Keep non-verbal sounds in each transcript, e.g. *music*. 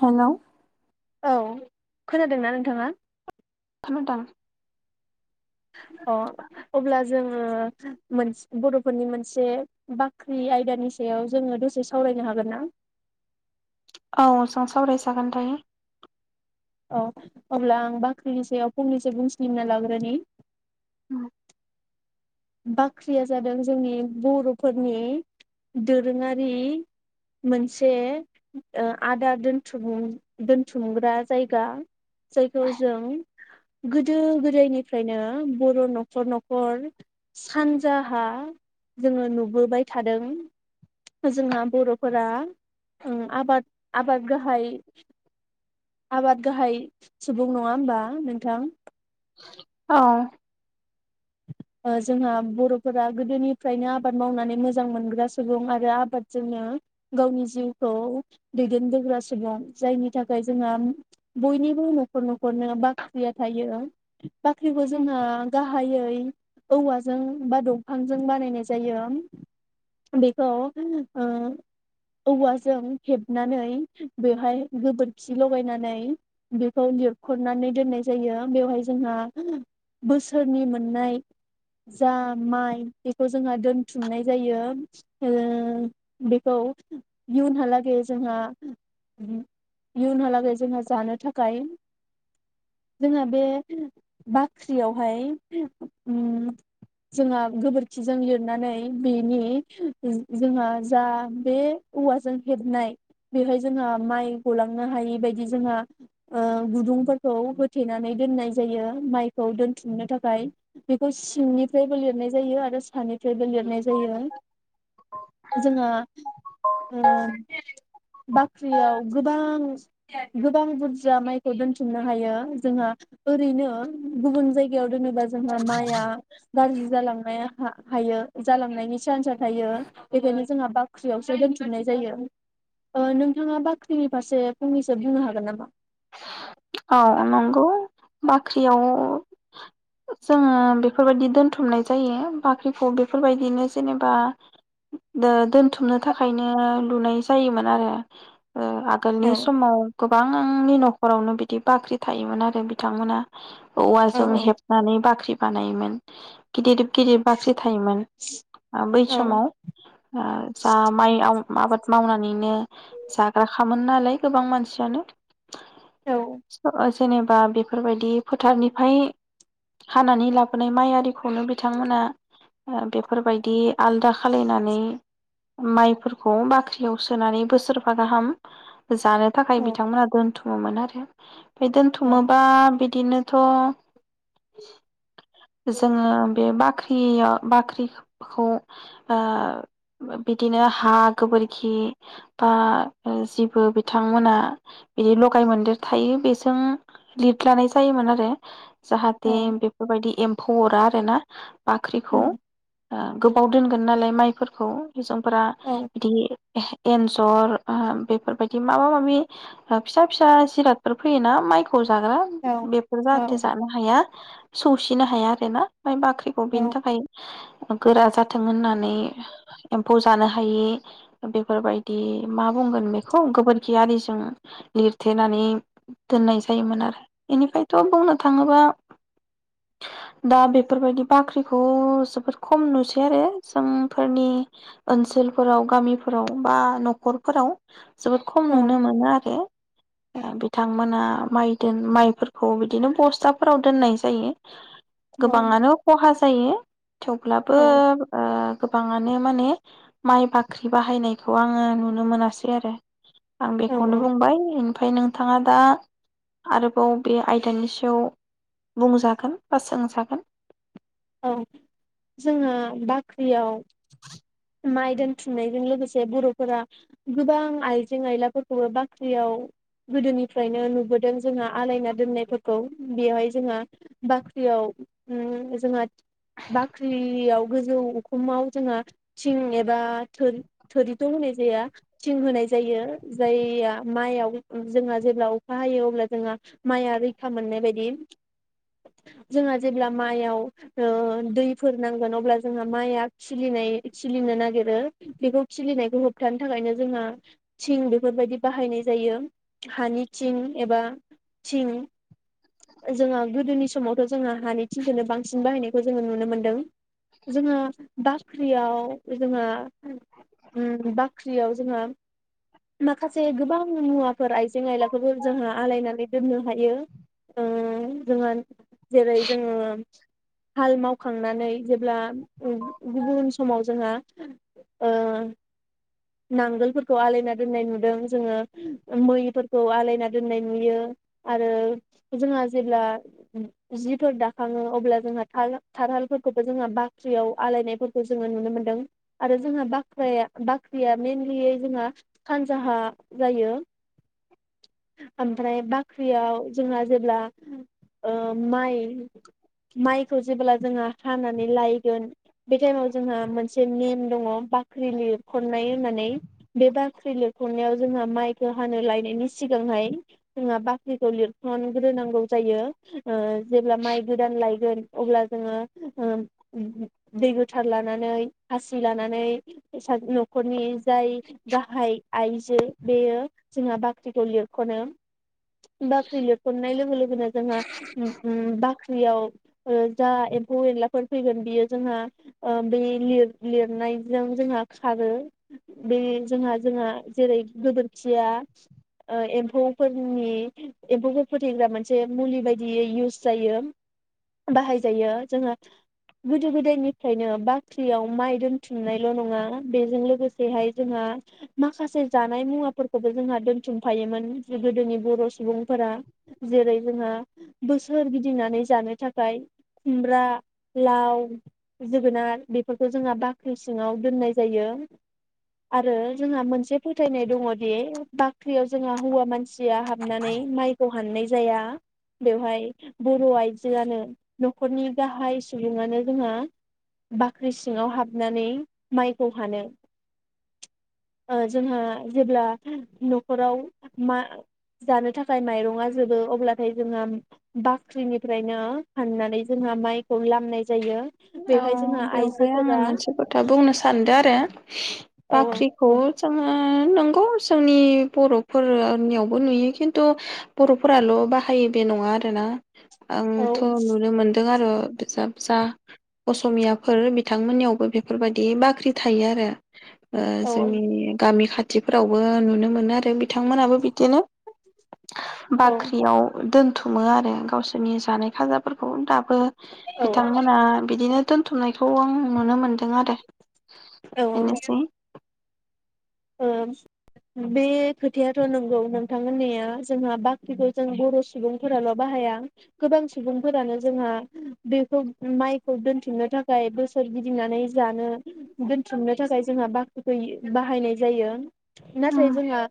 Hello औ खोनादोंना नोंथाङा? खोनादों। अ अब्ला जों। ओ मोन बर'फोरनि मोनसे बाख्रि आयदानि सायाव जोङो दसे सावरायनो हागोन ना? औ जों सावरायजागोन दायो। औ अब्ला आं बाख्रिनि सायाव फंनैसो बुंथिग्रोना लाग्रोनि। उम। बाख्रिया जादों जोंनि बर'फोरनि दोरोङारि मोनसे ओ आदार दोनथुम दोनथुमग्रा जायगा जायखौ जों गोदो गोदायनिफ्रायनो बर' न'खर न'खर। सानजाहा जोङो नुबोबाय थादों जोंहा बर'फोरा आबाद आबाद गाहाय। आबाद गाहाय सुबुं नङा होमबा नोंथां। औ। जोंहा बर'फोरा गोदोनिफ्रायनो आबाद मावनानै मोजां मोनग्रा सुबुं आरो आबादजोंनो गावनि जिउखौ दैदेनबोग्रा सुबुं जायनि थाखाय जोंहा बयनिबो न'खर न'खरनो बाख्रिया थायो। बाख्रिखौ जोंहा गाहायै। औवाजों बा दंफांजों बानायनाय जायो बेखौ ओ औवाजों हेबनानै बेवहाय गोबोरखि लगायनानै बेखौ लिरखनानै दोननाय जायो बेवहाय जोंहा बोसोरनि मोन नाय जा माइ बेखौ जोंहा दोनथुमनाय जायो ओ बेखौ इयुनहालागै जोंहा इयुनहालागै जोंहा जानो थाखाय जोंहा बे बाख्रियावहाय। उम जोंहा गोबोरखिजों लिरनानै बेनि जोंहा जा बे औवाजों हेबनाय बेहाय जोंहा माइ गलांनो हायि बायदि जोंहा ओ गुदुंफोरखौ होथेनानै दोननाय जायो माइखौ दोनथुमनो थाखाय। फ्राय बेखौ सिंनिफ्राय लिरनाय जायो आरो सानिफ्रायबो लिरनाय जायो जोंहा ओ बाख्रिआव गोबां गोबां बुर जा माइखौ दोनथुमनो हायो जोंहा। ओरैनो गुबुन जायगायाव जेनेबा जोंहा माइआ गारलि जालांनाय हा हायो जालांनायनि सानसा थायो बेखौनो, जोंहा बाख्रियावसो दोनथुमनाय जायो ओ नोंथाङा बाख्रिनि फारसे फंनैसो बुंनो हागोन नामा? औ नंगौ बा ख्रियाव जोङो बेफोरबायदि दोनथुमनाय जायो बाख्रिखौ बेफोरबायदिनो जेनेबा ओ दोनथुमनो थाखायनो लुनाय जायोमोन आरो। ओ औ आगोलनि समाव गोबां नि न'खरावनो बि दि बाख्रि थायोमोन आरो बिथांमोना औ औवाजों हेबनानै बाख्रि बानायोमोन *unintelligible* गिदिर बाख्रि थायोमोन ओ बै औ समाव ओ जा माइआव आबाद मावनानैनो जाग्राखामोन नालाय गोबां मानसियानो औ ओ जेनेबा बेफोरबायदि फोथारनिफ्राय हानानै लाबोनाय माइ आरिखौनो बिथांमोना बेफोरबायदि आलदा खालायनानै माइफोरखौ बाख्रियाव सोनानै बोसोरबा गाहाम जानो थाखाय बिथांमोना दोनथु ममोन आरो ओमफाय दोनथुमोबा बि दिनोथ' जोङो बे बा ख्रिया बाख्रिखौ ओ बिदिनो हा गोबोरखि बा ओ जिबो बिथांमोना बिदि लगाय मोनदेर थायो बेजों लिड लानाय जायोमोन आरो जाहाथे बेफोरबायदि एम फौ अरा आरोना बाख्रिखौ उम ओ गोबाव दोनगोन नालाय माइफोरखौ हिनजावफोरा औ औ दि ए-एन्जर ओ बेफोरबायदि माबा माबि ओ फिसा फिसा जिराद फोर फैयोना माइ खौ जाग्रा औ बेफोर औ जाहाथे जानो हाया सौसिनो हाया आरो ना माइ बाख्रिखौ औ बेनि थाखाय गोरा जाथों होननानै एम्फौ जानो हायि बेफोरबायदि मा बुंगोन बेखौ गोबोरखियारिजों लिरथेनानै दोननाय जायोमोन आरो बेनिफ्रायथ' बुंनो थाङोबा दा बेफोरबायदि बाख्रिखौ जोबोद खम नुसै आरो जोंफोरनि ओनसोलफोराव गामिफोराव बा न'खरफोराव जोबोद खम नुनो मोनो आरो ओ बिद थांमोना माइ दोन माइफोरखौ बिदिनो बस्थाफोराव दोननाय जायो। औ गोबाङानो खहा जायो।। थेवब्लाबो ओ गोबाङानो माने माइ बाख्रि बाहायनायखौ आङो नुनो मोनासै आरो आं बेखौनो औ बुंबाय फाय नों थाङा दा आरोबाव बे आयदानि सायाव बुंजागोन बा सोंजागोन औ जोंङो बाख्रियाव *inaudible* माइ दोनथुमनायजों लोगोसे बर'फोरा गोबां आइजें आयलाफोरखौबो बाख्रियाव गोदोनिफ्रायनो नुबोदों जोंहा आलायना दोननायफोरखौ बेहाय जोंहा बाख्रियाव ओम जोंहा बाख्रि याव गोजौ उखुमाव जोंहा थिं एबा थोरि थोरिथ' होनाय जाया थिं होनाय जायो, जायया माइयाव ओ जोंहा जेब्ला अखा हायो अब्ला जोंहा माइआ रैखा मोननाय बायदि जोंहा जेब्ला माइयाव ओ दैफोर नांगोन अब्ला जोंहा माइआ खिलिनाय खिलिनो नागिरो बेखौ खिलिनायखौ होबथानो थाखायनो जोंहा थिं बेफोरबायदि बाहायनाय जायो हानि थिं एबा थिं जोंहा गोदोनि समावथ जोंहा हानि थिंखौनो बांसिन बाहायनायखौ जोङो नुनो मोनदों। जोंहा बाख्रियाव *unintelligible* जोंहा *unintelligible* ओम बाख ख्रियाव जोंहा माखासे गोबां मुवाफोर आइजें आइलाखौबो जोंहा आलायनानै दोननो हायो ओ जोंहा जेरै जोङो हाल मावखांनानै जेब्ला ओ गुबुन समाव जोंहा ओ नांगोलफोरखौ आलायना दोननाय नुदों जोङो मैफोरखौ आलायना दोननाय नुयो आरो जोंहा जेब्ला जिफोर दाखाङो अब्ला जोंहा थाल थारालफोरखौबो जोंहा बाख ख्रियाव आलायनायफोरखौ जोङो नुनो मोन दों आरो जोंहा बाख्राया बाख्रिया मेनलि जोंहा सानजाहा जायो ओमफ्राय बाख्रियाव जोंहा जेब्ला ओ माइ माइखौ जेबोला जोंहा हानानै लायगोन बे टाइमयाव जोंहा मोन से नेम दङ बाख्रि लिरखनाय होननानै बे बाख्रि लिरखनायाव जोंहा माइखौ हानो लायनायनि सिगांहाय जोंहा बाख्रिखौ लिरखनग्रोनांगौ जायो। ओ जेब्ला माइ गोदान लायगोन अब्ला जोङो ओ दै गोथार लानानै खासि लानानै सा नखरनि जाय गाहाय आइजो बेयो जोंहा बाख्रिखौ लिरखनो। बाख्रि लिरखननाय लोगो लोगोनो जोंहा ओम बाख ख्रियाव ओ जा एम्फौ एनलाफोर फैगोन बियो जोंहा ओ बे लिर लिरनायजों जोंहा खारो बे जोंहा-जोंहा जेरै गोबोरखिया ओ एम्फौफोरनि एम्फौफोर फोथैग्रा मोनसे मुलि बायदियै इउस जायो बाहायजायो जोंहा गोदो- गोदायनिफ्रायनो बाख्रियाव माइ दोनथुमनायल नङा बेजों लोगोसेहाय जोंहा माखासे जानाय मुवाफोरखौबो जोंहा दोनथुमफायोमोन गोदोनि बर' सुबुंफोरा जेरै जोंहा बोसोर गिदिंनानै जानो थाखाय खुमब्रा, लाव, जोगोनार बे फोरखौ जोंहा बाख्रि सिङाव दोननाय जायो आरो जोंहा मोनसे फोथायनाय दङदि बाख्रियाव जोंहा हौवा मानसि या हाबनानै माइखौ हाननाय जाया बेवहाय बर' आइजोआनो नखरनि गाहाय सुबुङानो जोंहा बा ख्रि सिङाव हाबनानै माइखौ हानो ओ जोंहा जेब्ला नखराव मा जानो थाखाय माइरङा जोबो अब्लाथाय जोंहा बाख्रिनिफ्रायनो हाननानै जोंहा माइखौ लामनाय जायो बेवहाय जोंहा आइ ओमफ्राय आङो मोनसे खोथा बुंनो सानदों आरो औ बाख्रिखौ औ जोङो नंगौ जोंनि बर'फोरनियावबो नुयो खिन्थु बरफोराल बाहायो बे नङा आरोना, औ आंथ' नुनो मोनदों आरो फिसा- फिसा असमियाफोर बिथांमोननियावबो बेफोरबायदि बाख्रि थायो आरो। ओ औ जोंनि गामि खा थिफोरावबो नुनो मोनो आरो बि बिथांमोनाबो बिदिनो औ बाख्रियाव दोन बुथुमो आरो गावसोरनि जानाय खाजाफोरखौ दाबो। औ बिथांमोना बिदिनो दोन्थुमनायखौ आं नुनो मोन्दों आरो। औ बिनोसै। औ बे खोथायाथ नोंगौ नोंथां। मोन्नाया जोंहा बाख्रिखौ जों बर' सुबुंफोराल' बाहाया। गोबां सुबुंफोरानो जोंहा बेखौ माइखौ दोन्थुमनो थाखाय बोसोर गिदिंनानै जानो दोन्थुमनो थाखाय जोंहा बाख्रिखौ बाहायनाय जायो। नाथाय उम जोंहा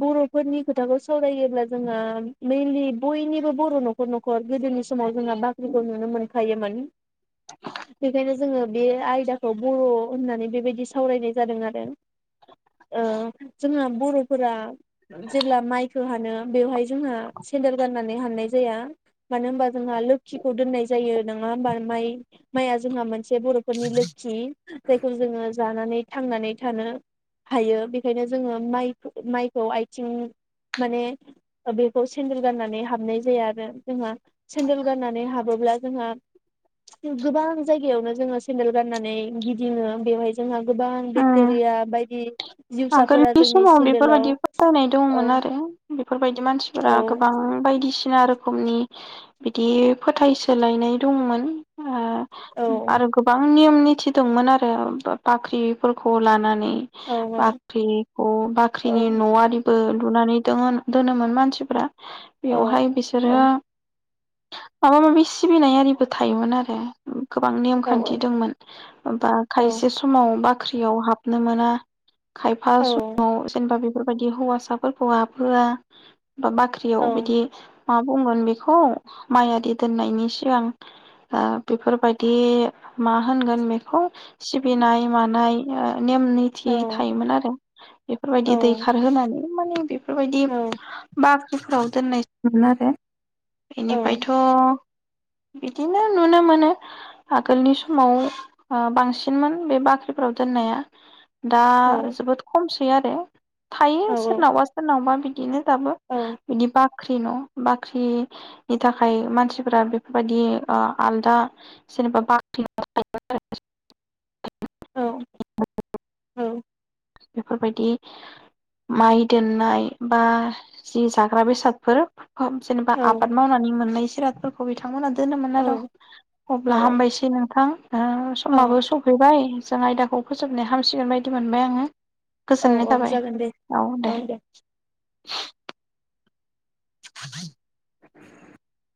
बर'फोरनि खोथाखौ सावरायोब्ला जोंहा मोइनलि बयनिबो बर नख'र नख'र गोदोनि समाव जोंहा बाख्रिखौ नुनो मोनखायोमोन। बेखायनो जोङो बे आयदाखौ बर' होन्नानै बेबायदि सावरायनाय जादों आरो। ओं जोंहा ब'रफोरा जेब्ला माइखौ हानो बेवहाय जोंहा सेन्देल गान्नानै हान्नाय जाया। मानो होनबा जोंहा लोखिखौ दोन्नाय जायो नङा होमबा माइ माइआ जोंहा मोनसे मोनसे बर'फोरनि लोखि जायखौ जोङो जानानै थांनानै थानो। हायो बेखायनो जोङो माइ माइखौ आयथिं माने बेखौ सेन्देल गान्नानै हाबनाय जाया आरो जोंहा। सेन्देल गान्नानै हाबोब्ला जोंहा गोबां जायगायावनो जोङो सेन्देल गान्नानै गिदिङो बेवहाय जोंहा गोबां उम बेक्टेरिया बायदि बि‌ आगोलनि समाव बेफोरबायदि फोथायनाय औ दंमोन आरो बेफोरबायदि औ मानसिफोरा गोबां बायदिसि सिना रोखोमनि बिदि फोथाय सोलायनाय दंमोन। औ आरो गोबां नियम निथि दंमोन आरो बाख्रिफोरखौ लानानै बा औ बाख्रिखौ बाख्रिनि औ न'आरि बो लुनानै दो-दोनोमोन मानसिफ्रा औ बेवहाय बिसोरो औ माबा माबि सिबिनाय आरिबो थायोमोन आरो गोबां औ नेमखान्थि दंमोन होमफा खायसे समाव बा ख्रियाव हाबनो मोना खायफा औ समाव जेनेबा बेफोरबायदि हौवासाफोरखौ हाबहोआ बा बाख्रियाव औ बिदि मा बुंगोन बेखौ माइ आदि दोन्नायनि सिगां ओ बेफोरबायदि मा होनगोन बेखौ सिबिनाय मानाय *unintelligible* औ इमोन आरो बेफोरबायदि औ दैखारहोनानै इ माने बेफोरबायदि औ बाख्रिफोराव दोननाय जायोमोन आरो औ बेनिफायथ बिदिनो नुनो मोनो ओ आगोलनि समाव ओ बांसिनमोन बे बाख्रिफोराव दोननाया दा औ जोबोद खमसै *unintelligible* थायो औ सोरनावबा सोरनावबा बि दिनो दाबो बिबा बाख्रि न' बाख्रिनि थाखाय मानसिफोरा बेफोरबायदि ओ आलदा जेनेबा बाख्रि *unintelligible* औ औ बेफोरबायदि माइ दोननाय बा जि जाग्रा बेसादफोर खौ जेनेबा आबाद मावनानै मोननायसि जिरादफोरखौ बिथांमोना दोनोमोन आर अब्ला औ हामबायसै नोंथां ओ समाबो सफैबाय जों आयदाखौ फोजोबनो हा हामसिगोन बायदि मोनबाय आङो। औ गोजोननाय औ थाबाय जागोन दे औ दे। *inaudible* *inaudible*